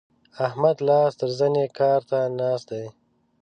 احمد لاس تر زنې کار ته ناست دی.